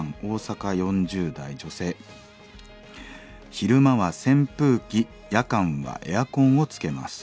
「昼間は扇風機夜間はエアコンをつけます。